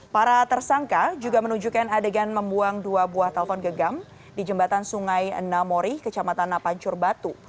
para tersangka juga menunjukkan adegan membuang dua buah telpon gegam di jembatan sungai namori kecamatan apancur batu